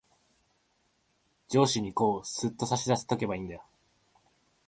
上司にこう、すっと差し出しとけばいんだよ。